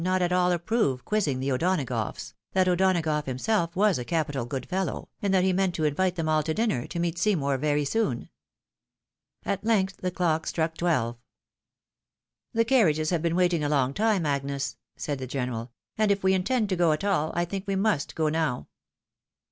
not at all approve quizzing the O'Donagoughs, that O'Donagough himself was a capital good fellow, and that he meant to invite them all to dinner, to meet Seymour, very soon. At length the clock struck twelve. " The carriages have been waiting a long time, Agnes," said the general, " and, if we intend to go at all, I think we must go now."